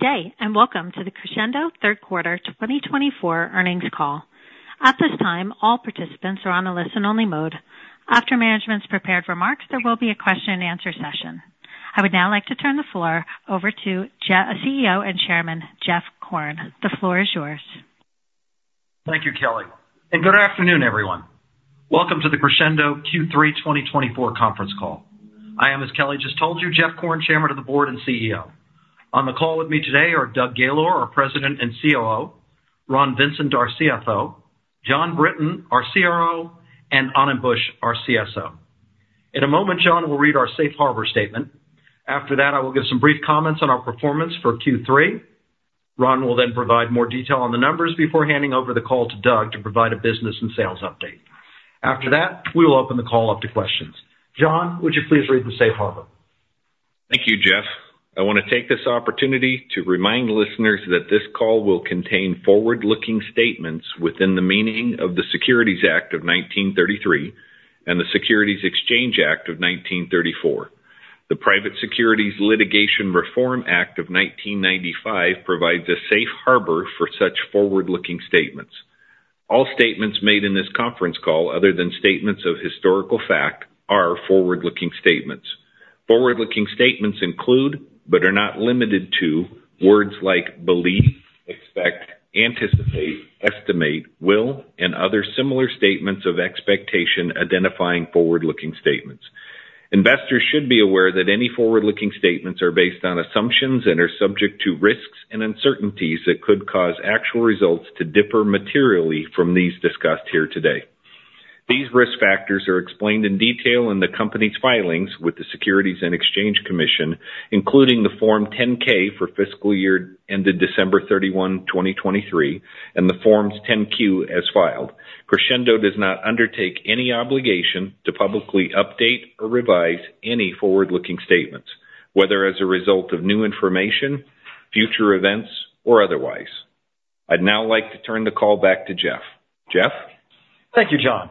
Good day and welcome to the Crexendo Third Quarter 2024 Earnings Call. At this time, all participants are on a listen-only mode. After management's prepared remarks, there will be a question-and-answer session. I would now like to turn the floor over to CEO and Chairman Jeff Korn. The floor is yours. Thank you, Kelly, and good afternoon, everyone. Welcome to the Crexendo Q3 2024 conference call. I am, as Kelly just told you, Jeff Korn, Chairman of the Board and CEO. On the call with me today are Doug Gaylor, our President and COO, Ron Vincent, our CFO, Jon Brinton, our CRO, and Anand Buch, our CSO. In a moment, Jon will read our Safe Harbor statement. After that, I will give some brief comments on our performance for Q3. Ron will then provide more detail on the numbers before handing over the call to Doug to provide a business and sales update. After that, we will open the call up to questions. Jon, would you please read the Safe Harbor? Thank you, Jeff. I want to take this opportunity to remind listeners that this call will contain forward-looking statements within the meaning of the Securities Act of 1933 and the Securities Exchange Act of 1934. The Private Securities Litigation Reform Act of 1995 provides a safe harbor for such forward-looking statements. All statements made in this conference call, other than statements of historical fact, are forward-looking statements. Forward-looking statements include, but are not limited to, words like believe, expect, anticipate, estimate, will, and other similar statements of expectation identifying forward-looking statements. Investors should be aware that any forward-looking statements are based on assumptions and are subject to risks and uncertainties that could cause actual results to differ materially from these discussed here today. These risk factors are explained in detail in the company's filings with the Securities and Exchange Commission, including the Form 10-K for fiscal year ended December 31, 2023, and the Forms 10-Q as filed. Crexendo does not undertake any obligation to publicly update or revise any forward-looking statements, whether as a result of new information, future events, or otherwise. I'd now like to turn the call back to Jeff. Jeff? Thank you, Jon.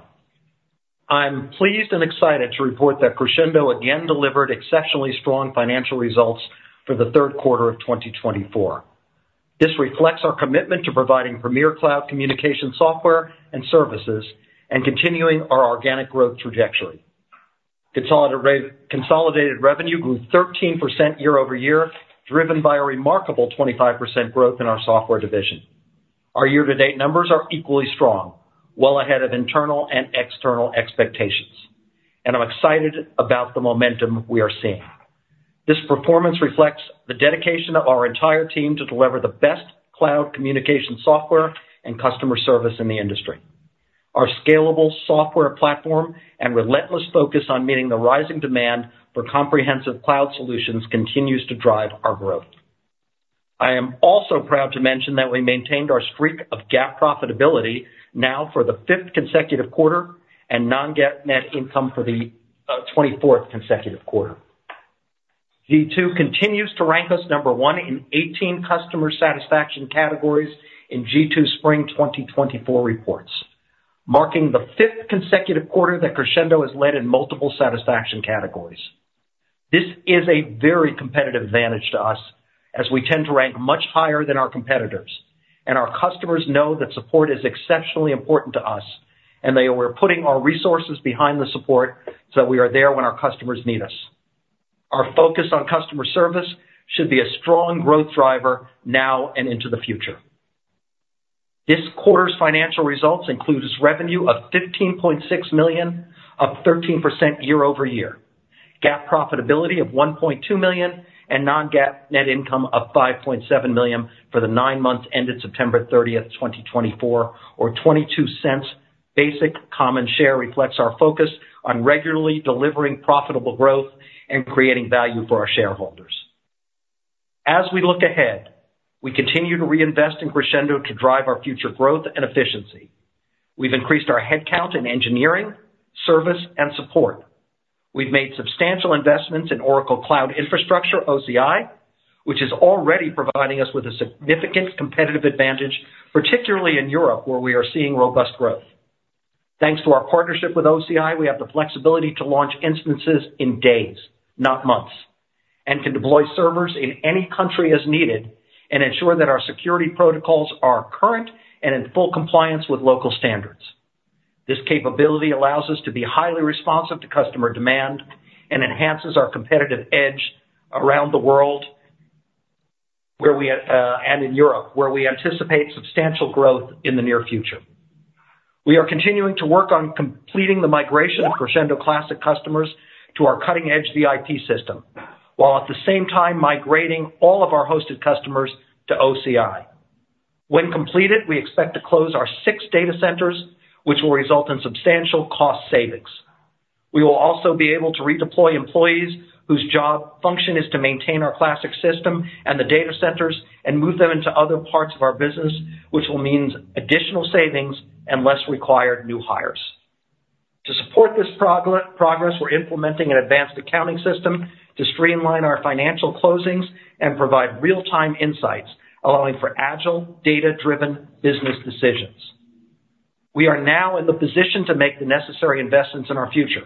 I'm pleased and excited to report that Crexendo again delivered exceptionally strong financial results for the third quarter of 2024. This reflects our commitment to providing premier cloud communication software and services and continuing our organic growth trajectory. Consolidated revenue grew 13% year-over-year, driven by a remarkable 25% growth in our software division. Our year-to-date numbers are equally strong, well ahead of internal and external expectations. I'm excited about the momentum we are seeing. This performance reflects the dedication of our entire team to deliver the best cloud communication software and customer service in the industry. Our scalable software platform and relentless focus on meeting the rising demand for comprehensive cloud solutions continues to drive our growth. I am also proud to mention that we maintained our streak of GAAP profitability now for the fifth consecutive quarter and non-GAAP net income for the 24th consecutive quarter. G2 continues to rank us number one in 18 customer satisfaction categories in G2 Spring 2024 reports, marking the fifth consecutive quarter that Crexendo has led in multiple satisfaction categories. This is a very competitive advantage to us, as we tend to rank much higher than our competitors, and our customers know that support is exceptionally important to us, and they are putting our resources behind the support so that we are there when our customers need us. Our focus on customer service should be a strong growth driver now and into the future. This quarter's financial results include a revenue of $15.6 million, up 13% year-over-year, GAAP profitability of $1.2 million, and non-GAAP net income of $5.7 million for the nine months ended September 30, 2024. Our $0.22 basic common share reflects our focus on regularly delivering profitable growth and creating value for our shareholders. As we look ahead, we continue to reinvest in Crexendo to drive our future growth and efficiency. We've increased our headcount in engineering, service, and support. We've made substantial investments in Oracle Cloud Infrastructure, OCI, which is already providing us with a significant competitive advantage, particularly in Europe, where we are seeing robust growth. Thanks to our partnership with OCI, we have the flexibility to launch instances in days, not months, and can deploy servers in any country as needed and ensure that our security protocols are current and in full compliance with local standards. This capability allows us to be highly responsive to customer demand and enhances our competitive edge around the world and in Europe, where we anticipate substantial growth in the near future. We are continuing to work on completing the migration of Crexendo Classic customers to our cutting-edge VIP system, while at the same time migrating all of our hosted customers to OCI. When completed, we expect to close our six data centers, which will result in substantial cost savings. We will also be able to redeploy employees whose job function is to maintain our Classic system and the data centers and move them into other parts of our business, which will mean additional savings and less required new hires. To support this progress, we're implementing an advanced accounting system to streamline our financial closings and provide real-time insights, allowing for agile, data-driven business decisions. We are now in the position to make the necessary investments in our future,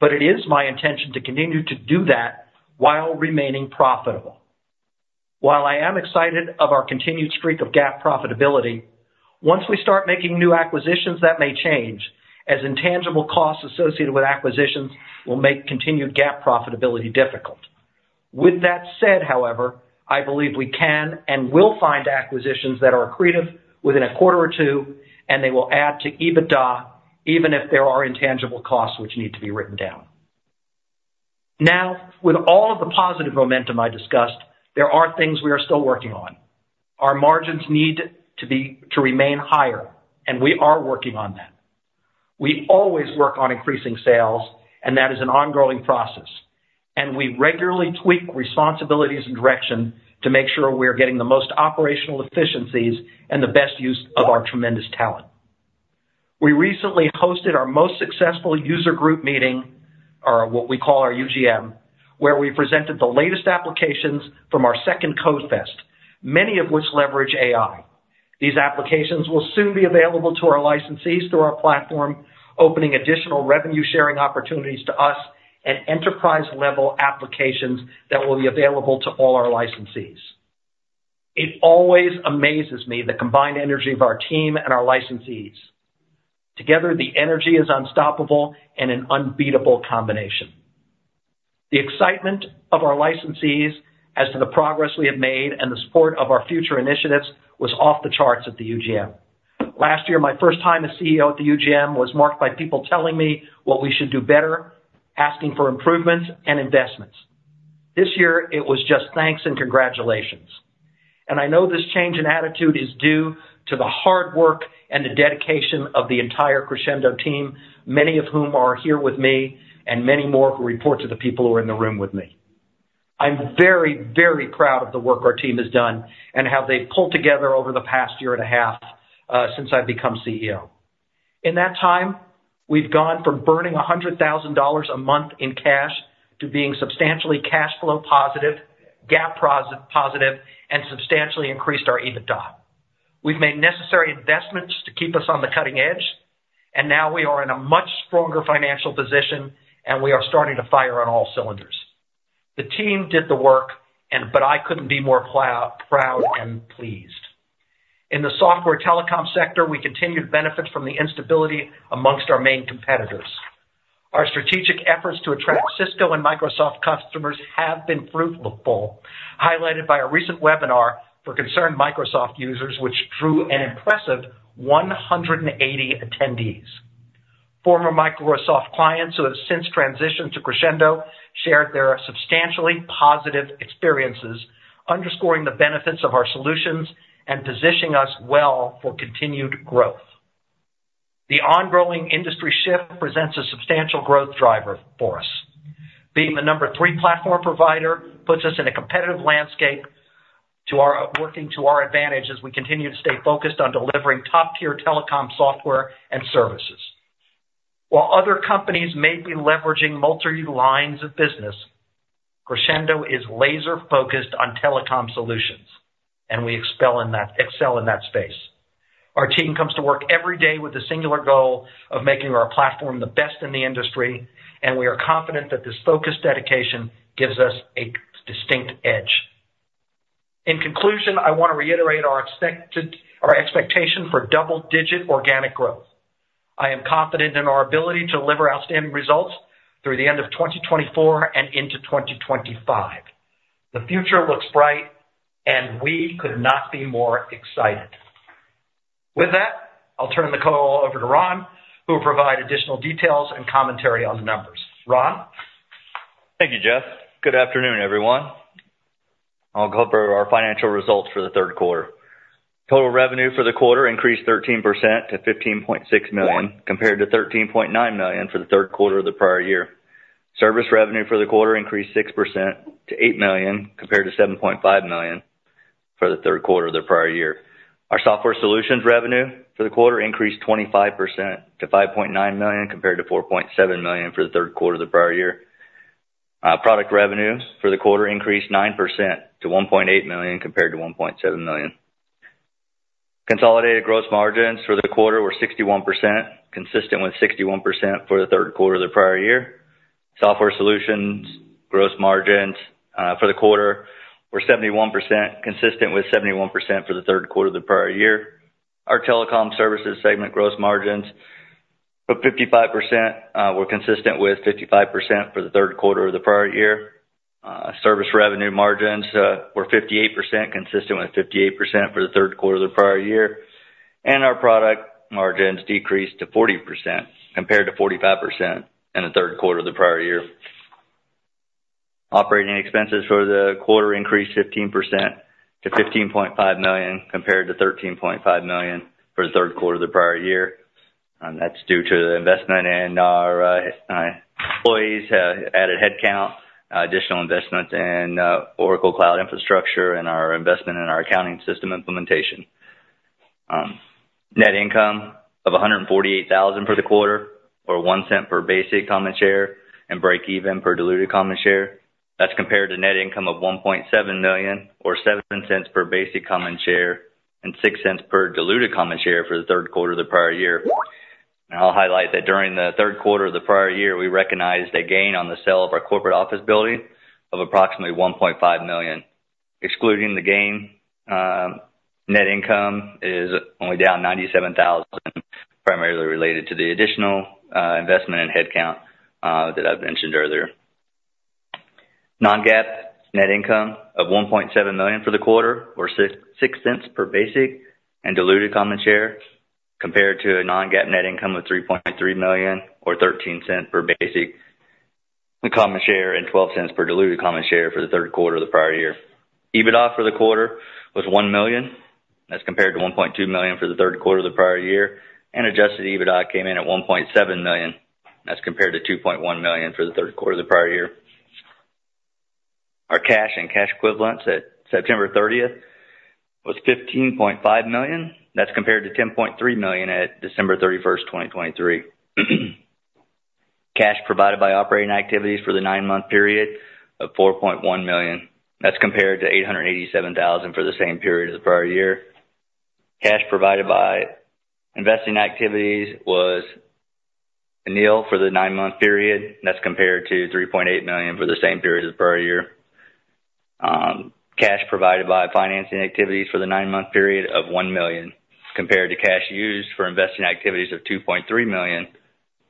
but it is my intention to continue to do that while remaining profitable. While I am excited about our continued streak of GAAP profitability, once we start making new acquisitions, that may change, as intangible costs associated with acquisitions will make continued GAAP profitability difficult. With that said, however, I believe we can and will find acquisitions that are accretive within a quarter or two, and they will add to EBITDA, even if there are intangible costs which need to be written down. Now, with all of the positive momentum I discussed, there are things we are still working on. Our margins need to remain higher, and we are working on that. We always work on increasing sales, and that is an ongoing process. And we regularly tweak responsibilities and direction to make sure we are getting the most operational efficiencies and the best use of our tremendous talent. We recently hosted our most successful user group meeting, or what we call our UGM, where we presented the latest applications from our second CodeFest, many of which leverage AI. These applications will soon be available to our licensees through our platform, opening additional revenue-sharing opportunities to us and enterprise-level applications that will be available to all our licensees. It always amazes me the combined energy of our team and our licensees. Together, the energy is unstoppable and an unbeatable combination. The excitement of our licensees as to the progress we have made and the support of our future initiatives was off the charts at the UGM. Last year, my first time as CEO at the UGM was marked by people telling me what we should do better, asking for improvements and investments. This year, it was just thanks and congratulations. And I know this change in attitude is due to the hard work and the dedication of the entire Crexendo team, many of whom are here with me and many more who report to the people who are in the room with me. I'm very, very proud of the work our team has done and how they've pulled together over the past year and a half since I've become CEO. In that time, we've gone from burning $100,000 a month in cash to being substantially cash flow positive, GAAP positive, and substantially increased our EBITDA. We've made necessary investments to keep us on the cutting edge, and now we are in a much stronger financial position, and we are starting to fire on all cylinders. The team did the work, but I couldn't be more proud and pleased. In the software telecom sector, we continue to benefit from the instability amongst our main competitors. Our strategic efforts to attract Cisco and Microsoft customers have been fruitful, highlighted by a recent webinar for concerned Microsoft users, which drew an impressive 180 attendees. Former Microsoft clients who have since transitioned to Crexendo shared their substantially positive experiences, underscoring the benefits of our solutions and positioning us well for continued growth. The ongoing industry shift presents a substantial growth driver for us. Being the number three platform provider puts us in a competitive landscape working to our advantage as we continue to stay focused on delivering top-tier telecom software and services. While other companies may be leveraging multi-lines of business, Crexendo is laser-focused on telecom solutions, and we excel in that space. Our team comes to work every day with the singular goal of making our platform the best in the industry, and we are confident that this focused dedication gives us a distinct edge. In conclusion, I want to reiterate our expectation for double-digit organic growth. I am confident in our ability to deliver outstanding results through the end of 2024 and into 2025. The future looks bright, and we could not be more excited. With that, I'll turn the call over to Ron, who will provide additional details and commentary on the numbers. Ron? Thank you, Jeff. Good afternoon, everyone. I'll go over our financial results for the third quarter. Total revenue for the quarter increased 13% to $15.6 million, compared to $13.9 million for the third quarter of the prior year. Service revenue for the quarter increased 6% to $8 million, compared to $7.5 million for the third quarter of the prior year. Our software solutions revenue for the quarter increased 25% to $5.9 million, compared to $4.7 million for the third quarter of the prior year. Product revenue for the quarter increased 9% to $1.8 million, compared to $1.7 million. Consolidated gross margins for the quarter were 61%, consistent with 61% for the third quarter of the prior year. Software solutions gross margins for the quarter were 71%, consistent with 71% for the third quarter of the prior year. Our telecom services segment gross margins were 55%, consistent with 55% for the third quarter of the prior year. Service revenue margins were 58%, consistent with 58% for the third quarter of the prior year. And our product margins decreased to 40%, compared to 45% in the third quarter of the prior year. Operating expenses for the quarter increased 15% to $15.5 million, compared to $13.5 million for the third quarter of the prior year. That's due to the investment in our employees, added headcount, additional investment in Oracle Cloud Infrastructure, and our investment in our accounting system implementation. Net income of $148,000 for the quarter, or $0.01 per basic common share and break-even per diluted common share. That's compared to net income of $1.7 million, or $0.07 per basic common share and $0.06 per diluted common share for the third quarter of the prior year. I'll highlight that during the third quarter of the prior year, we recognized a gain on the sale of our corporate office building of approximately $1.5 million. Excluding the gain, net income is only down $97,000, primarily related to the additional investment in headcount that I've mentioned earlier. Non-GAAP net income of $1.7 million for the quarter, or $0.06 per basic and diluted common share, compared to a non-GAAP net income of $3.3 million, or $0.13 per basic common share and $0.12 per diluted common share for the third quarter of the prior year. EBITDA for the quarter was $1 million. That's compared to $1.2 million for the third quarter of the prior year. And adjusted EBITDA came in at $1.7 million. That's compared to $2.1 million for the third quarter of the prior year. Our cash and cash equivalents at September 30 was $15.5 million. That's compared to $10.3 million at December 31, 2023. Cash provided by operating activities for the nine-month period of $4.1 million. That's compared to $887,000 for the same period of the prior year. Cash provided by investing activities was nil for the nine-month period. That's compared to $3.8 million for the same period of the prior year. Cash provided by financing activities for the nine-month period of $1 million, compared to cash used in financing activities of $2.3 million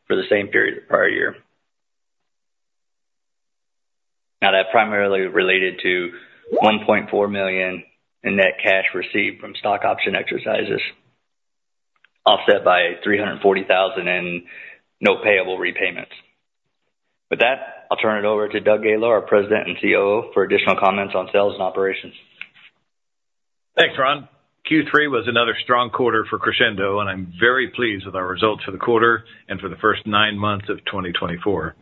for the same period of the prior year. Now, that primarily related to $1.4 million in net cash received from stock option exercises, offset by $340,000 in note payable repayments. With that, I'll turn it over to Doug Gaylor, our President and COO, for additional comments on sales and operations. Thanks, Ron. Q3 was another strong quarter for Crexendo, and I'm very pleased with our results for the quarter and for the first nine months of 2024.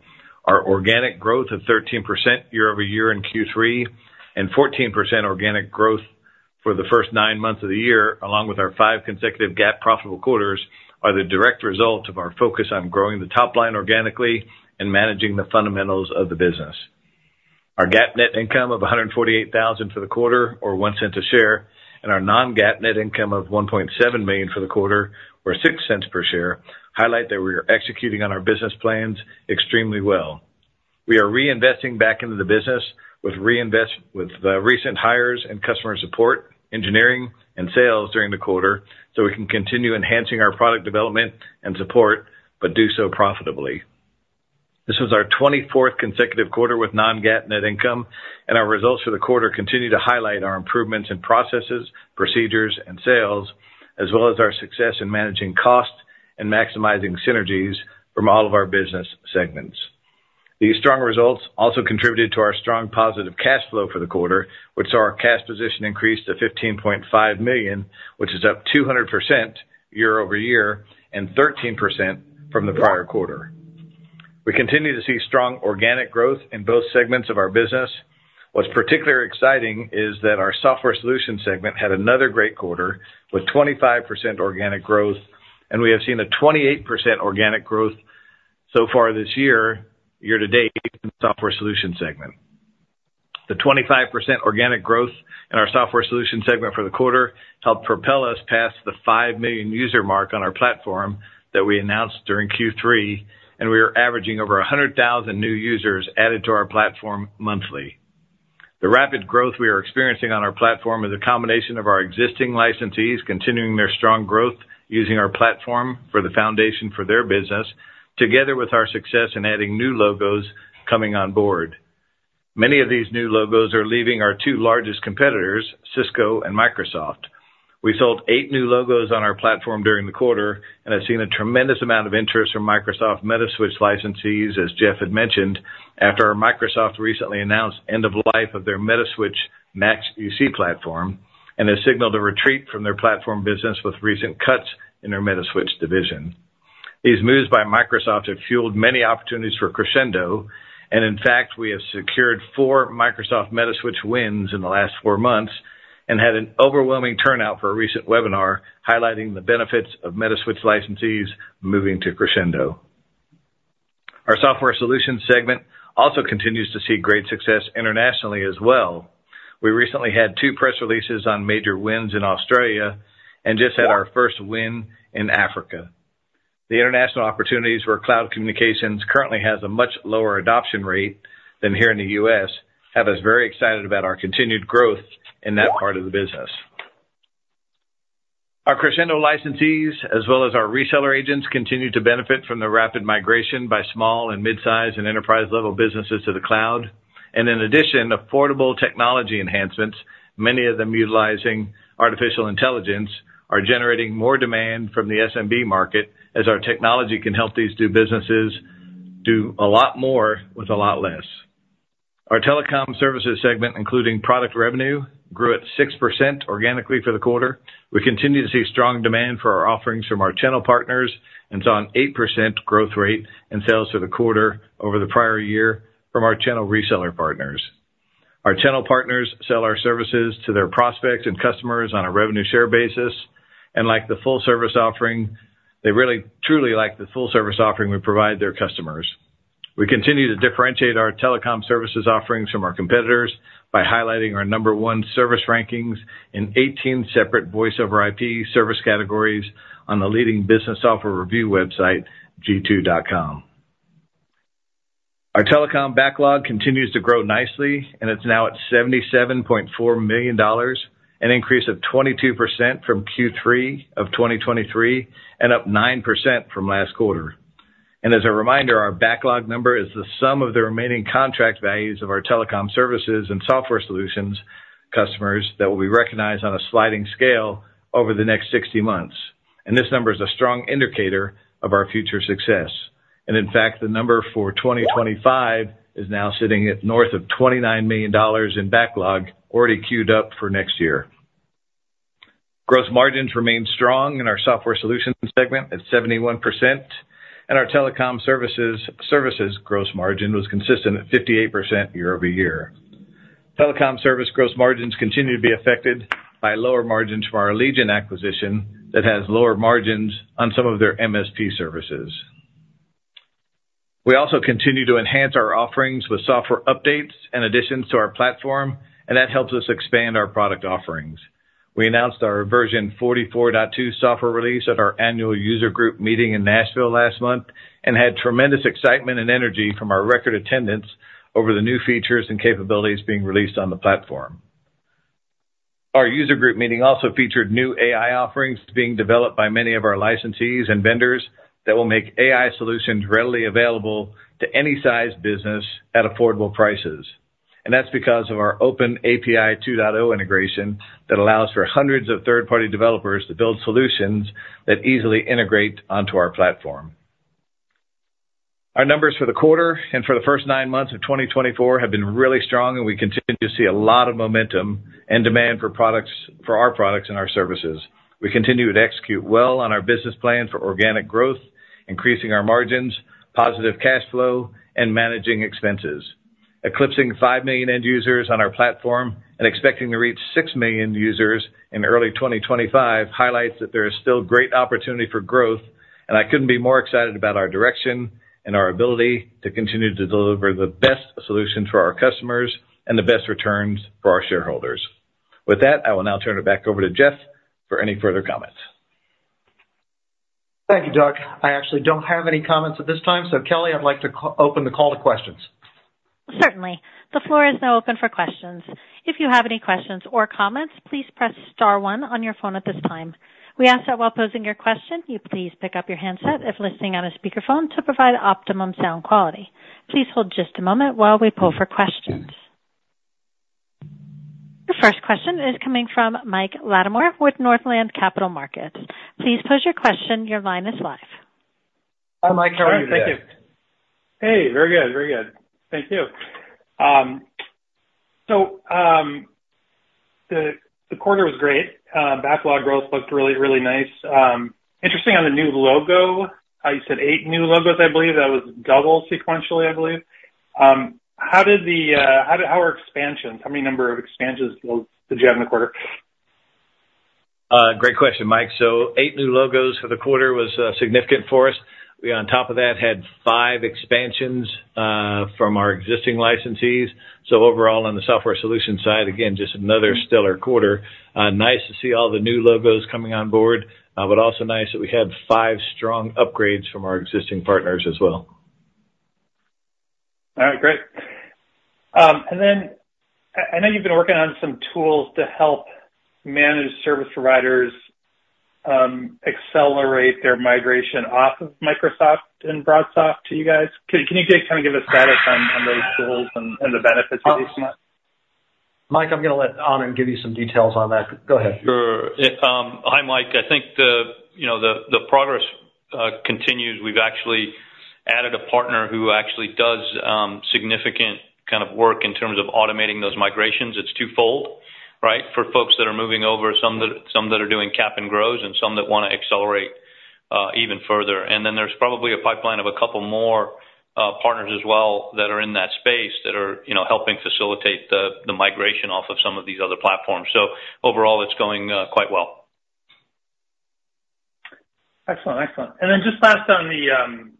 Our organic growth of 13% year-over-year in Q3 and 14% organic growth for the first nine months of the year, along with our five consecutive GAAP profitable quarters, are the direct result of our focus on growing the top line organically and managing the fundamentals of the business. Our GAAP net income of $148,000 for the quarter, or $0.01 a share, and our non-GAAP net income of $1.7 million for the quarter, or $0.06 per share, highlight that we are executing on our business plans extremely well. We are reinvesting back into the business with recent hires and customer support, engineering, and sales during the quarter so we can continue enhancing our product development and support, but do so profitably. This was our 24th consecutive quarter with non-GAAP net income, and our results for the quarter continue to highlight our improvements in processes, procedures, and sales, as well as our success in managing costs and maximizing synergies from all of our business segments. These strong results also contributed to our strong positive cash flow for the quarter, which saw our cash position increase to $15.5 million, which is up 200% year-over-year and 13% from the prior quarter. We continue to see strong organic growth in both segments of our business. What's particularly exciting is that our software solutions segment had another great quarter with 25% organic growth, and we have seen a 28% organic growth so far this year, year to date, in the software solutions segment. The 25% organic growth in our software solutions segment for the quarter helped propel us past the 5 million user mark on our platform that we announced during Q3, and we are averaging over 100,000 new users added to our platform monthly. The rapid growth we are experiencing on our platform is a combination of our existing licensees continuing their strong growth using our platform for the foundation for their business, together with our success in adding new logos coming on board. Many of these new logos are leaving our two largest competitors, Cisco and Microsoft. We sold eight new logos on our platform during the quarter and have seen a tremendous amount of interest from Microsoft MetaSwitch licensees, as Jeff had mentioned, after Microsoft recently announced the end of life of their MetaSwitch Max UC platform and has signaled a retreat from their platform business with recent cuts in their Metaswitch division. These moves by Microsoft have fueled many opportunities for Crexendo, and in fact, we have secured four Microsoft Metaswitch wins in the last four months and had an overwhelming turnout for a recent webinar highlighting the benefits of Metaswitch licensees moving to Crexendo. Our software solutions segment also continues to see great success internationally as well. We recently had two press releases on major wins in Australia and just had our first win in Africa. The international opportunities where cloud communications currently has a much lower adoption rate than here in the U.S. have us very excited about our continued growth in that part of the business. Our Crexendo licensees, as well as our reseller agents, continue to benefit from the rapid migration by small and mid-size and enterprise-level businesses to the cloud, and in addition, affordable technology enhancements, many of them utilizing artificial intelligence, are generating more demand from the SMB market as our technology can help these new businesses do a lot more with a lot less. Our telecom services segment, including product revenue, grew at 6% organically for the quarter. We continue to see strong demand for our offerings from our channel partners and saw an 8% growth rate in sales for the quarter over the prior year from our channel reseller partners. Our channel partners sell our services to their prospects and customers on a revenue share basis, and like the full-service offering, they really truly like the full-service offering we provide their customers. We continue to differentiate our telecom services offerings from our competitors by highlighting our number one service rankings in 18 separate Voice over IP service categories on the leading business software review website, G2.com. Our telecom backlog continues to grow nicely, and it's now at $77.4 million, an increase of 22% from Q3 of 2023 and up 9% from last quarter. And as a reminder, our backlog number is the sum of the remaining contract values of our telecom services and software solutions customers that will be recognized on a sliding scale over the next 60 months. And this number is a strong indicator of our future success. And in fact, the number for 2025 is now sitting at north of $29 million in backlog, already queued up for next year. Gross margins remain strong in our software solutions segment at 71%, and our telecom services gross margin was consistent at 58% year-over-year. Telecom service gross margins continue to be affected by lower margins from our Allegiant acquisition that has lower margins on some of their MSP services. We also continue to enhance our offerings with software updates and additions to our platform, and that helps us expand our product offerings. We announced our version 44.2 software release at our annual user group meeting in Nashville last month and had tremendous excitement and energy from our record attendance over the new features and capabilities being released on the platform. Our User Group Meeting also featured new AI offerings being developed by many of our licensees and vendors that will make AI solutions readily available to any size business at affordable prices. And that's because of our OpenAPI 2.0 integration that allows for hundreds of third-party developers to build solutions that easily integrate onto our platform. Our numbers for the quarter and for the first nine months of 2024 have been really strong, and we continue to see a lot of momentum and demand for our products and our services. We continue to execute well on our business plan for organic growth, increasing our margins, positive cash flow, and managing expenses. Eclipsing 5 million end users on our platform and expecting to reach 6 million users in early 2025 highlights that there is still great opportunity for growth, and I couldn't be more excited about our direction and our ability to continue to deliver the best solutions for our customers and the best returns for our shareholders. With that, I will now turn it back over to Jeff for any further comments. Thank you, Doug. I actually don't have any comments at this time. So, Kelly, I'd like to open the call to questions. Certainly. The floor is now open for questions. If you have any questions or comments, please press star one on your phone at this time. We ask that while posing your question, you please pick up your handset if listening on a speakerphone to provide optimum sound quality. Please hold just a moment while we pull for questions. Your first question is coming from Mike Latimore with Northland Capital Markets. Please pose your question. Your line is live. Hi, Mike. How are you? Hi, there. Thank you. Hey. Very good. Very good. Thank you. So the quarter was great. Backlog growth looked really, really nice. Interesting on the new logo. You said eight new logos, I believe. That was double sequentially, I believe. How did the? How are expansions? How many number of expansions did you have in the quarter? Great question, Mike. So eight new logos for the quarter was significant for us. We, on top of that, had five expansions from our existing licensees. So overall, on the software solutions side, again, just another stellar quarter. Nice to see all the new logos coming on board, but also nice that we had five strong upgrades from our existing partners as well. All right. Great. And then I know you've been working on some tools to help managed service providers accelerate their migration off of Microsoft and BroadSoft to you guys. Can you kind of give us status on those tools and the benefits of these? Mike, I'm going to let Anand give you some details on that. Go ahead. Sure. Hi, Mike. I think the progress continues. We've actually added a partner who actually does significant kind of work in terms of automating those migrations. It's twofold, right, for folks that are moving over, some that are doing cap and grows, and some that want to accelerate even further. And then there's probably a pipeline of a couple more partners as well that are in that space that are helping facilitate the migration off of some of these other platforms. So overall, it's going quite well. Excellent. Excellent. And then just last on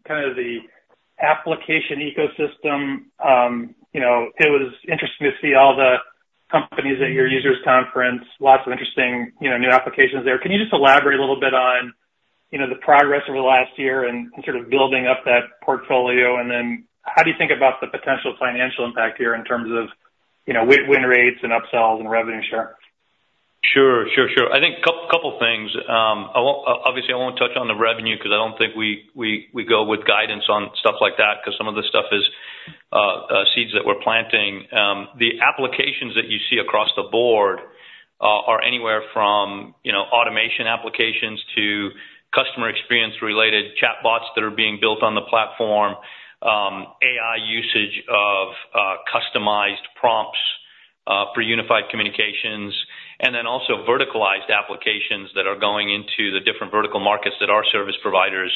kind of the application ecosystem. It was interesting to see all the companies at your users' conference, lots of interesting new applications there. Can you just elaborate a little bit on the progress over the last year and sort of building up that portfolio? And then how do you think about the potential financial impact here in terms of win rates and upsells and revenue share? Sure. Sure. Sure. I think a couple of things. Obviously, I won't touch on the revenue because I don't think we go with guidance on stuff like that because some of the stuff is seeds that we're planting. The applications that you see across the board are anywhere from automation applications to customer experience-related chatbots that are being built on the platform, AI usage of customized prompts for unified communications, and then also verticalized applications that are going into the different vertical markets that our service providers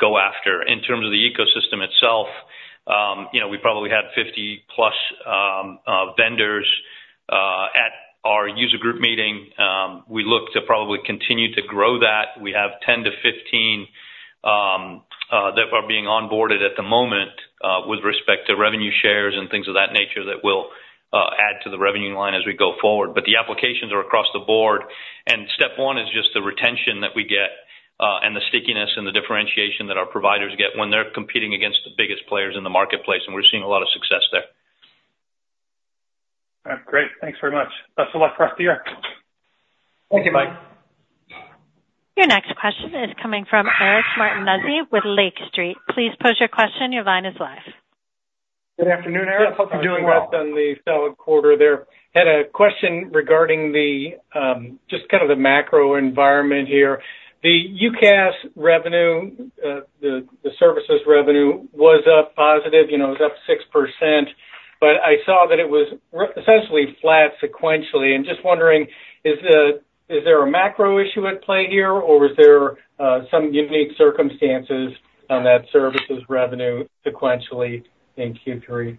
go after. In terms of the ecosystem itself, we probably had 50-plus vendors at our user group meeting. We look to probably continue to grow that. We have 10 to 15 that are being onboarded at the moment with respect to revenue shares and things of that nature that will add to the revenue line as we go forward. But the applications are across the board. And step one is just the retention that we get and the stickiness and the differentiation that our providers get when they're competing against the biggest players in the marketplace. And we're seeing a lot of success there. All right. Great. Thanks very much. Best of luck for us here. Thank you, Mike. Your next question is coming from Eric Martinuzzi with Lake Street. Please pose your question. Your line is live. Good afternoon, Eric. Hope you're doing well. Good afternoon. On the solid quarter there. Had a question regarding just kind of the macro environment here. The UCaaS revenue, the services revenue, was up positive. It was up 6%, but I saw that it was essentially flat sequentially. And just wondering, is there a macro issue at play here, or was there some unique circumstances on that services revenue sequentially in Q3?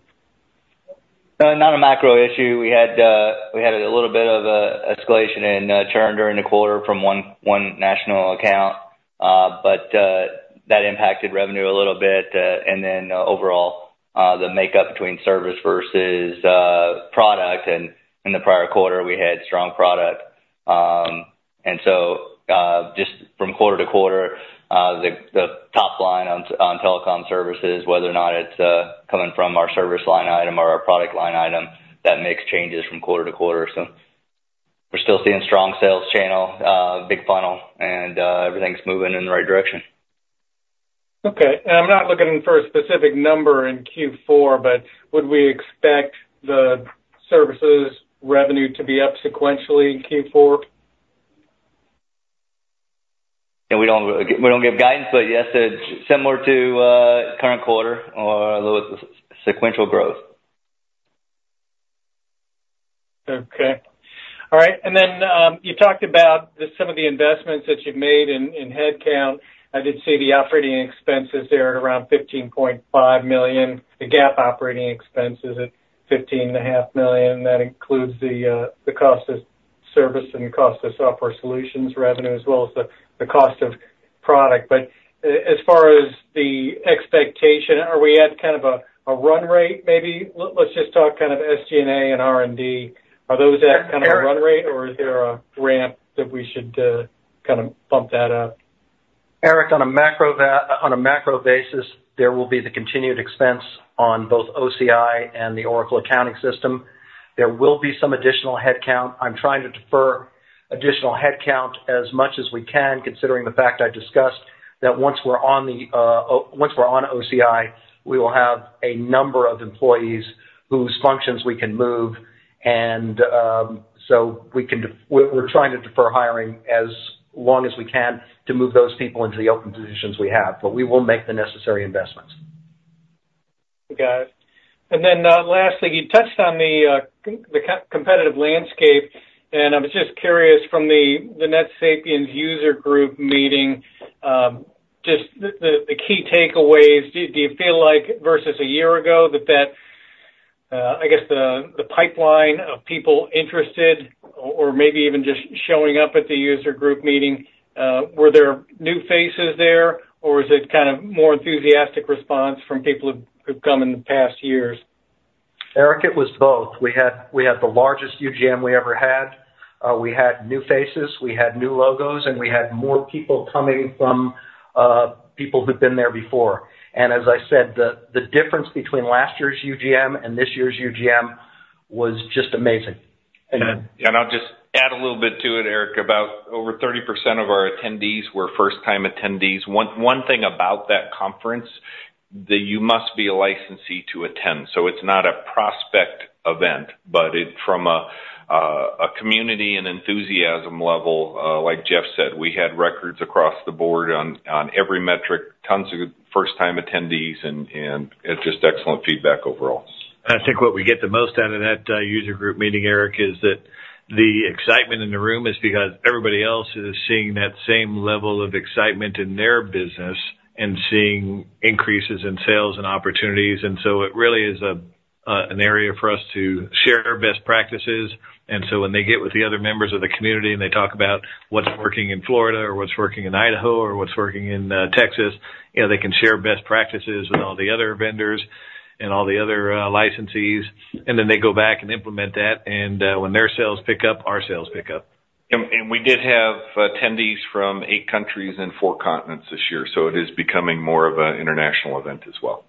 Not a macro issue. We had a little bit of an escalation and turn during the quarter from one national account, but that impacted revenue a little bit. And then overall, the makeup between service versus product. And in the prior quarter, we had strong product. And so just from quarter to quarter, the top line on telecom services, whether or not it's coming from our service line item or our product line item, that makes changes from quarter to quarter. So we're still seeing strong sales channel, big funnel, and everything's moving in the right direction. Okay, and I'm not looking for a specific number in Q4, but would we expect the services revenue to be up sequentially in Q4? Yeah. We don't give guidance, but yes, similar to current quarter, sequential growth. Okay. All right. And then you talked about some of the investments that you've made in headcount. I did see the operating expenses there at around $15.5 million, the GAAP operating expenses at $15.5 million. That includes the cost of service and cost of software solutions revenue, as well as the cost of product. But as far as the expectation, are we at kind of a run rate maybe? Let's just talk kind of SG&A and R&D. Are those at kind of a run rate, or is there a ramp that we should kind of bump that up? Eric, on a macro basis, there will be the continued expense on both OCI and the Oracle accounting system. There will be some additional headcount. I'm trying to defer additional headcount as much as we can, considering the fact I discussed that once we're on OCI, we will have a number of employees whose functions we can move. And so we're trying to defer hiring as long as we can to move those people into the open positions we have, but we will make the necessary investments. Got it. And then lastly, you touched on the competitive landscape. And I was just curious, from the NetSapiens user group meeting, just the key takeaways, do you feel like versus a year ago that, I guess, the pipeline of people interested or maybe even just showing up at the user group meeting, were there new faces there, or was it kind of more enthusiastic response from people who've come in the past years? Eric, it was both. We had the largest UGM we ever had. We had new faces. We had new logos, and we had more people coming from people who've been there before. And as I said, the difference between last year's UGM and this year's UGM was just amazing. I'll just add a little bit to it, Eric, about over 30% of our attendees were first-time attendees. One thing about that conference, you must be a licensee to attend. So it's not a prospect event, but from a community and enthusiasm level, like Jeff said, we had records across the board on every metric, tons of first-time attendees, and just excellent feedback overall. I think what we get the most out of that user group meeting, Eric, is that the excitement in the room is because everybody else is seeing that same level of excitement in their business and seeing increases in sales and opportunities, and so it really is an area for us to share best practices, and so when they get with the other members of the community and they talk about what's working in Florida or what's working in Idaho or what's working in Texas, they can share best practices with all the other vendors and all the other licensees, and then they go back and implement that, and when their sales pick up, our sales pick up. We did have attendees from eight countries and four continents this year. It is becoming more of an international event as well.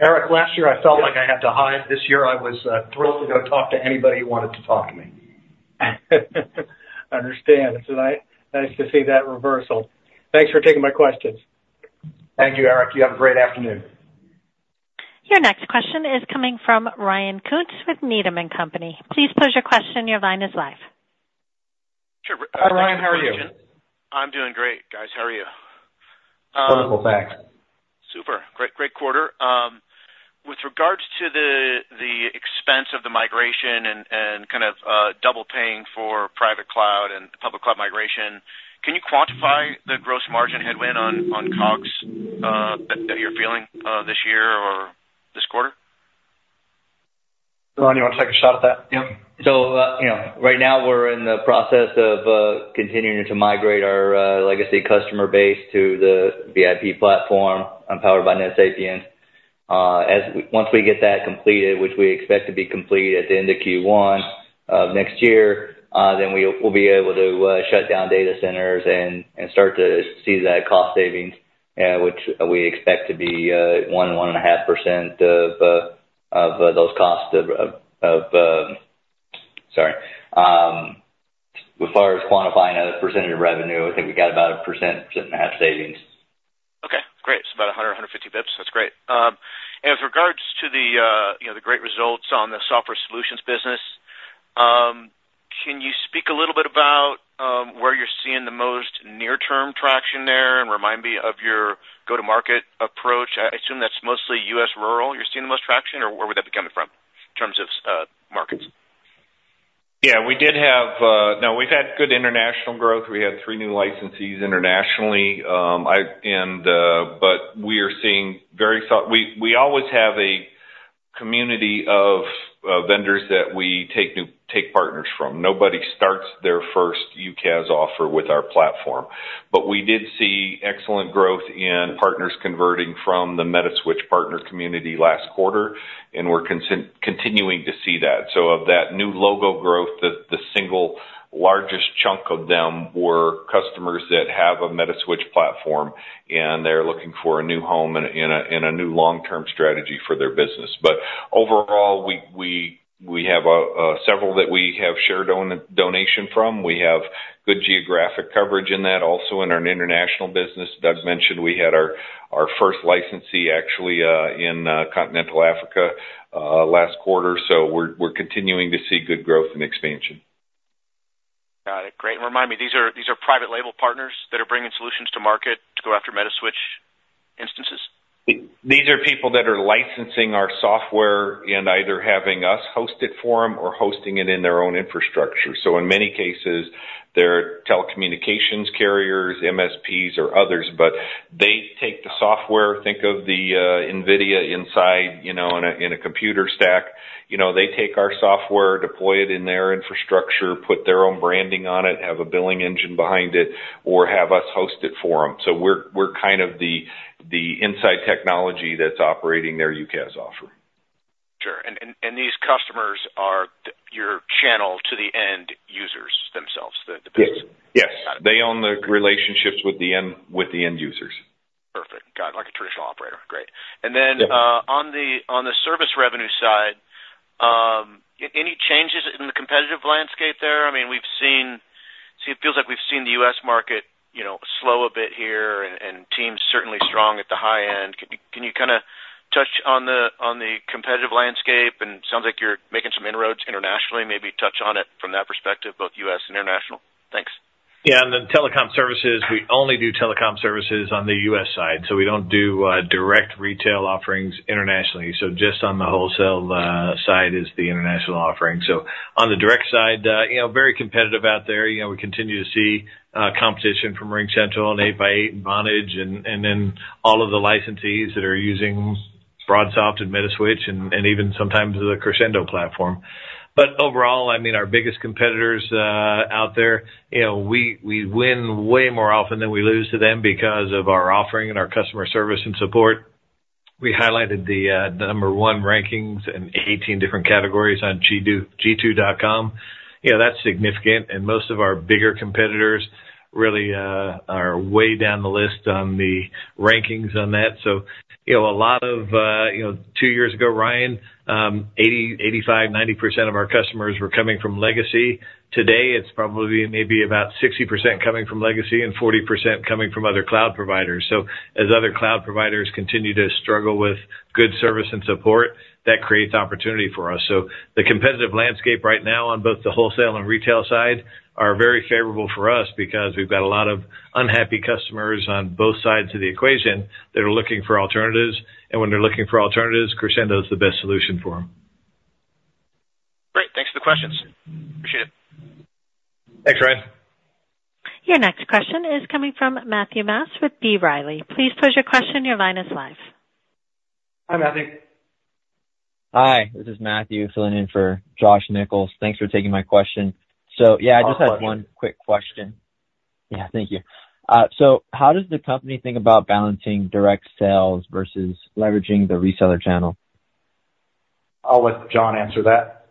Eric, last year, I felt like I had to hide. This year, I was thrilled to go talk to anybody who wanted to talk to me. I understand. It's nice to see that reversal. Thanks for taking my questions. Thank you, Eric. You have a great afternoon. Your next question is coming from Ryan Koontz with Needham & Company. Please pose your question. Your line is live. Sure. Hi, Ryan. How are you? I'm doing great, guys. How are you? Wonderful. Thanks. Super. Great quarter. With regards to the expense of the migration and kind of double paying for private cloud and public cloud migration, can you quantify the gross margin headwind on COGS that you're feeling this year or this quarter? Do you want to take a shot at that? Yeah. Right now, we're in the process of continuing to migrate our legacy customer base to the VIP platform powered by NetSapiens. Once we get that completed, which we expect to be complete at the end of Q1 of next year, then we will be able to shut down data centers and start to see that cost savings, which we expect to be 1%-1.5% of those costs. Sorry. As far as quantifying a percentage of revenue, I think we got about 1%-1.5% savings. Okay. Great, so about 100-150 basis points. That's great. And with regards to the great results on the software solutions business, can you speak a little bit about where you're seeing the most near-term traction there and remind me of your go-to-market approach? I assume that's mostly U.S. rural you're seeing the most traction, or where would that be coming from in terms of markets? Yeah. We did have. Now, we've had good international growth. We had three new licensees internationally, but we are seeing. We always have a community of vendors that we take partners from. Nobody starts their first UCaaS offer with our platform, but we did see excellent growth in partners converting from the Metaswitch partner community last quarter, and we're continuing to see that. So of that new logo growth, the single largest chunk of them were customers that have a Metaswitch platform, and they're looking for a new home and a new long-term strategy for their business, but overall, we have several that we have shared locations from. We have good geographic coverage in that, also in our international business. Doug mentioned we had our first licensee actually in continental Africa last quarter, so we're continuing to see good growth and expansion. Got it. Great, and remind me, these are private label partners that are bringing solutions to market to go after Metaswitch instances? These are people that are licensing our software and either having us host it for them or hosting it in their own infrastructure. So in many cases, they're telecommunications carriers, MSPs, or others, but they take the software, think of the NVIDIA inside in a computer stack. They take our software, deploy it in their infrastructure, put their own branding on it, have a billing engine behind it, or have us host it for them. So we're kind of the inside technology that's operating their UCaaS offer. Sure. And these customers are your channel to the end users themselves, the business? Yes. Yes. They own the relationships with the end users. Perfect. Got it. Like a traditional operator. Great. And then on the service revenue side, any changes in the competitive landscape there? I mean, it feels like we've seen the U.S. market slow a bit here, and Teams certainly strong at the high end. Can you kind of touch on the competitive landscape? And it sounds like you're making some inroads internationally. Maybe touch on it from that perspective, both U.S. and international. Thanks. Yeah. On the telecom services, we only do telecom services on the U.S. side. So we don't do direct retail offerings internationally. So just on the wholesale side is the international offering. So on the direct side, very competitive out there. We continue to see competition from RingCentral and 8x8 and Vonage, and then all of the licensees that are using BroadSoft and Metaswitch and even sometimes the Crexendo platform. But overall, I mean, our biggest competitors out there, we win way more often than we lose to them because of our offering and our customer service and support. We highlighted the number one rankings in 18 different categories on G2.com. That's significant. And most of our bigger competitors really are way down the list on the rankings on that. So a lot of two years ago, Ryan, 85%-90% of our customers were coming from legacy. Today, it's probably maybe about 60% coming from legacy and 40% coming from other cloud providers. So as other cloud providers continue to struggle with good service and support, that creates opportunity for us. So the competitive landscape right now on both the wholesale and retail side is very favorable for us because we've got a lot of unhappy customers on both sides of the equation that are looking for alternatives. And when they're looking for alternatives, Crexendo is the best solution for them. Great. Thanks for the questions. Appreciate it. Thanks, Ryan. Your next question is coming from Matthew Maus with B. Riley. Please pose your question. Your line is live. Hi, Matthew. Hi. This is Matthew filling in for Josh Nichols. Thanks for taking my question. So yeah, I just had one quick question. Yeah. Thank you. So how does the company think about balancing direct sales versus leveraging the reseller channel? I'll let John answer that.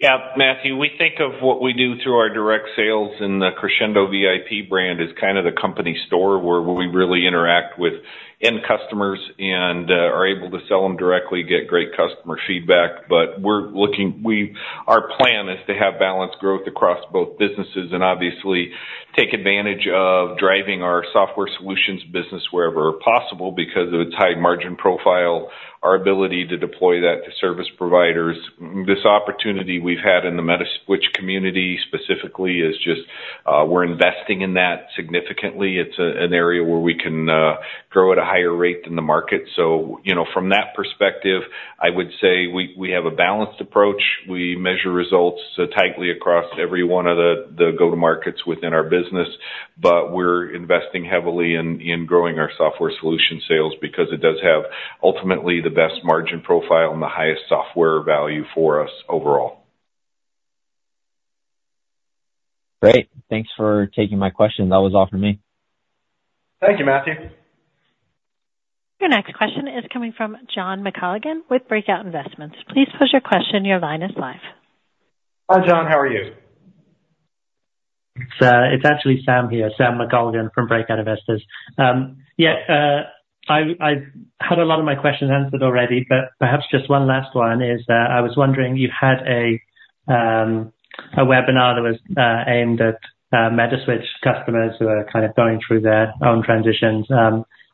Yeah. Matthew, we think of what we do through our direct sales and the Crexendo VIP brand as kind of the company store where we really interact with end customers and are able to sell them directly, get great customer feedback. But our plan is to have balanced growth across both businesses and obviously take advantage of driving our software solutions business wherever possible because of its high margin profile, our ability to deploy that to service providers. This opportunity we've had in the Metaswitch community specifically is just we're investing in that significantly. It's an area where we can grow at a higher rate than the market. So from that perspective, I would say we have a balanced approach. We measure results tightly across every one of the go-to-markets within our business, but we're investing heavily in growing our software solution sales because it does have ultimately the best margin profile and the highest software value for us overall. Great. Thanks for taking my question. That was all from me. Thank you, Matthew. Your next question is coming from Sam McColgan with Breakout Investors. Please pose your question. Your line is live. Hi, Sam. How are you? It's actually Sam here, Sam McColgan from Breakout Investors. Yeah. I had a lot of my questions answered already, but perhaps just one last one is I was wondering, you had a webinar that was aimed at Metaswitch customers who are kind of going through their own transitions.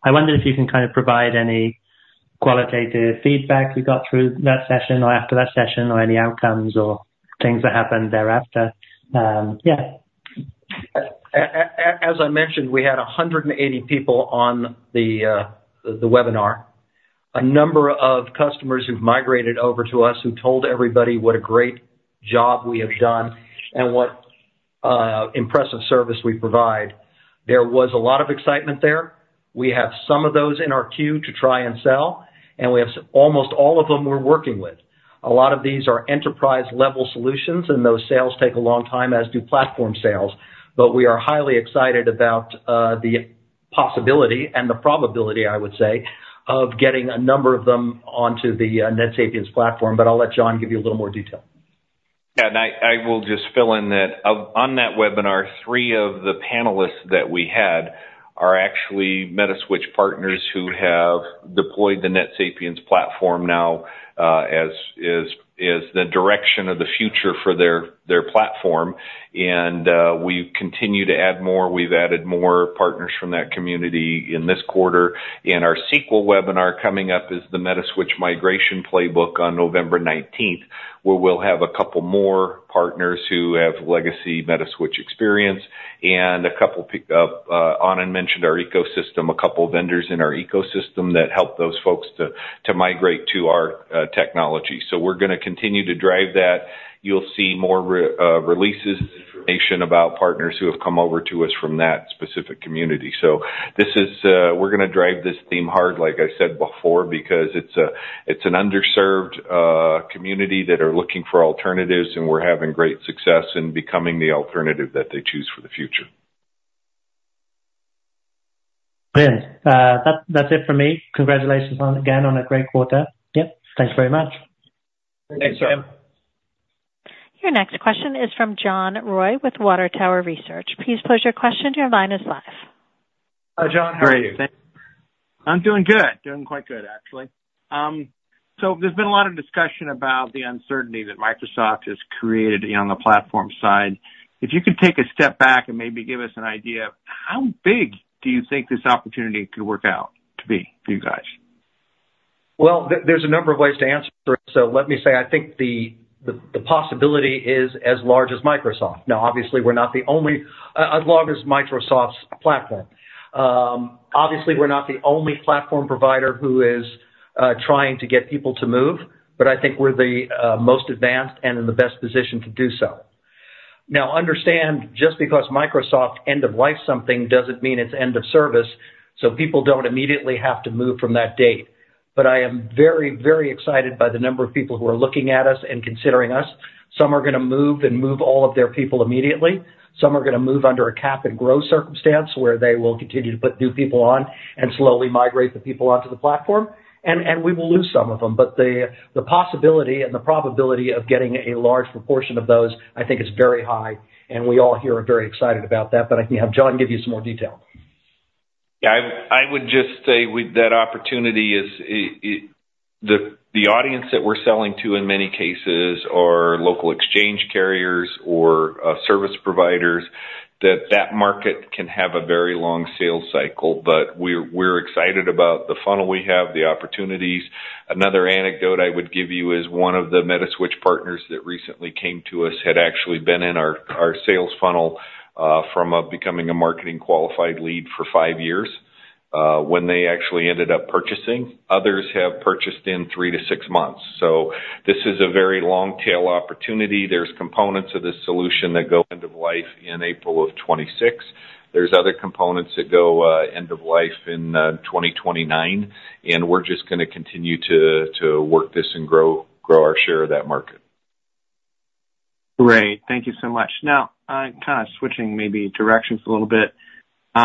I wonder if you can kind of provide any qualitative feedback you got through that session or after that session or any outcomes or things that happened thereafter. Yeah. As I mentioned, we had 180 people on the webinar. A number of customers who've migrated over to us who told everybody what a great job we have done and what impressive service we provide. There was a lot of excitement there. We have some of those in our queue to try and sell, and almost all of them we're working with. A lot of these are enterprise-level solutions, and those sales take a long time, as do platform sales. But we are highly excited about the possibility and the probability, I would say, of getting a number of them onto the NetSapiens platform. But I'll let Jon give you a little more detail. Yeah, and I will just fill in that on that webinar, three of the panelists that we had are actually Metaswitch partners who have deployed the NetSapiens platform now as the direction of the future for their platform. We continue to add more. We've added more partners from that community in this quarter. Our SQL webinar coming up is the Metaswitch Migration Playbook on November 19th, where we'll have a couple more partners who have legacy Metaswitch experience and a couple of, Anand mentioned our ecosystem, a couple of vendors in our ecosystem that help those folks to migrate to our technology. So we're going to continue to drive that. You'll see more releases and information about partners who have come over to us from that specific community. So we're going to drive this theme hard, like I said before, because it's an underserved community that are looking for alternatives, and we're having great success in becoming the alternative that they choose for the future. Good. That's it for me. Congratulations again on a great quarter. Yep. Thanks very much. Thanks, Sam. Your next question is from John Roy with Water Tower Research. Please pose your question. Your line is live. Hi, John. How are you? I'm doing good. Doing quite good, actually. So there's been a lot of discussion about the uncertainty that Microsoft has created on the platform side. If you could take a step back and maybe give us an idea of how big do you think this opportunity could work out to be for you guys? There's a number of ways to answer it. So let me say I think the possibility is as large as Microsoft. Now, obviously, we're not the only platform provider who is trying to get people to move, but I think we're the most advanced and in the best position to do so. Now, understand, just because Microsoft end of life something doesn't mean it's end of service. So people don't immediately have to move from that date. But I am very, very excited by the number of people who are looking at us and considering us. Some are going to move and move all of their people immediately. Some are going to move under a Cap and Grow circumstance where they will continue to put new people on and slowly migrate the people onto the platform. We will lose some of them. The possibility and the probability of getting a large proportion of those, I think, is very high. We all here are very excited about that. I can have Jon give you some more detail. Yeah. I would just say that opportunity is the audience that we're selling to in many cases are local exchange carriers or service providers, that that market can have a very long sales cycle. But we're excited about the funnel we have, the opportunities. Another anecdote I would give you is one of the Metaswitch partners that recently came to us had actually been in our sales funnel from becoming a marketing qualified lead for five years when they actually ended up purchasing. Others have purchased in three to six months. So this is a very long-tail opportunity. There's components of this solution that go end of life in April of 2026. There's other components that go end of life in 2029. And we're just going to continue to work this and grow our share of that market. Great. Thank you so much. Now, kind of switching maybe directions a little bit. Yeah.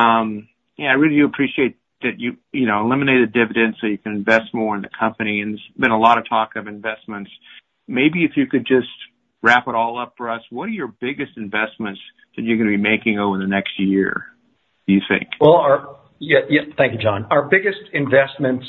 I really do appreciate that you eliminated dividends so you can invest more in the company. And there's been a lot of talk of investments. Maybe if you could just wrap it all up for us, what are your biggest investments that you're going to be making over the next year, do you think? Yeah. Thank you, John. Our biggest investments,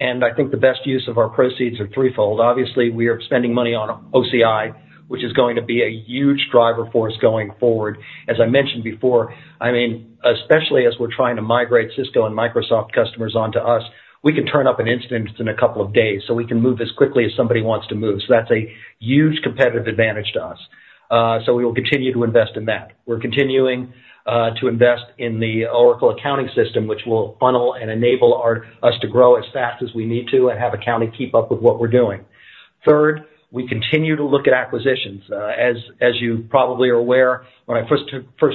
and I think the best use of our proceeds, are threefold. Obviously, we are spending money on OCI, which is going to be a huge driver for us going forward. As I mentioned before, I mean, especially as we're trying to migrate Cisco and Microsoft customers onto us, we can turn up an instance in a couple of days. So we can move as quickly as somebody wants to move. So that's a huge competitive advantage to us. So we will continue to invest in that. We're continuing to invest in the Oracle accounting system, which will funnel and enable us to grow as fast as we need to and have accounting keep up with what we're doing. Third, we continue to look at acquisitions. As you probably are aware, when I first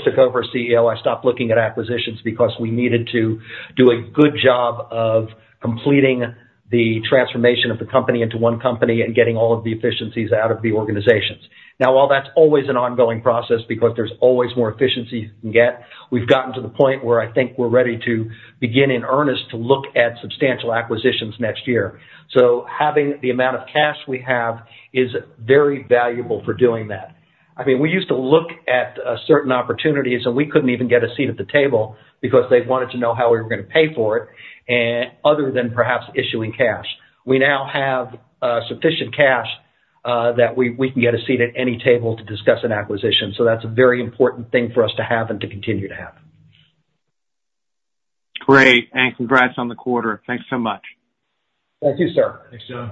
took over as CEO, I stopped looking at acquisitions because we needed to do a good job of completing the transformation of the company into one company and getting all of the efficiencies out of the organizations. Now, while that's always an ongoing process because there's always more efficiency you can get, we've gotten to the point where I think we're ready to begin in earnest to look at substantial acquisitions next year. So having the amount of cash we have is very valuable for doing that. I mean, we used to look at certain opportunities, and we couldn't even get a seat at the table because they wanted to know how we were going to pay for it other than perhaps issuing cash. We now have sufficient cash that we can get a seat at any table to discuss an acquisition. So that's a very important thing for us to have and to continue to have. Great. And congrats on the quarter. Thanks so much. Thank you, sir. Thanks, John.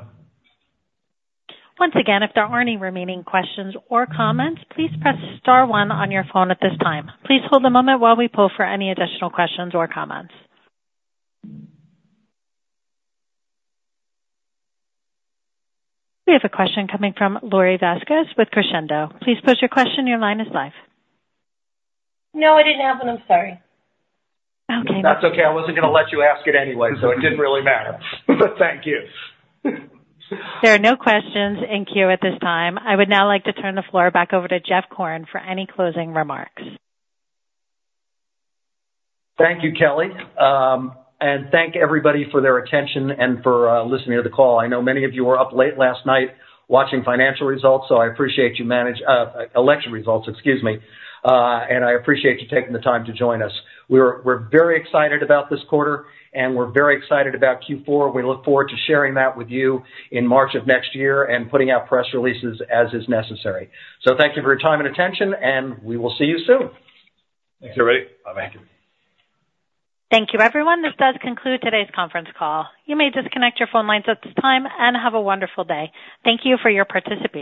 Once again, if there are any remaining questions or comments, please press star one on your phone at this time. Please hold a moment while we pull for any additional questions or comments. We have a question coming from Lori Vasquez with Crexendo. Please pose your question. Your line is live. No, I didn't have one. I'm sorry. Okay. That's okay. I wasn't going to let you ask it anyway, so it didn't really matter. But thank you. There are no questions in queue at this time. I would now like to turn the floor back over to Jeff Korn for any closing remarks. Thank you, Kelly. And thank everybody for their attention and for listening to the call. I know many of you were up late last night watching financial results, so I appreciate you managing election results, excuse me. And I appreciate you taking the time to join us. We're very excited about this quarter, and we're very excited about Q4. We look forward to sharing that with you in March of next year and putting out press releases as is necessary. So thank you for your time and attention, and we will see you soon. Thanks. You're ready? I'm happy. Thank you, everyone. This does conclude today's conference call. You may disconnect your phone lines at this time and have a wonderful day. Thank you for your participation.